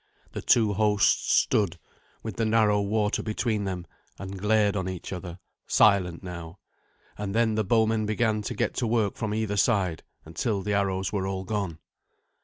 The two hosts stood, with the narrow water between them, and glared on each other, silent now. And then the bowmen began to get to work from either side, until the arrows were all gone.